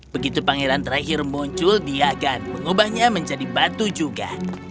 begitu pangeran terakhir muncul diagan mengubahnya menjadi batu juga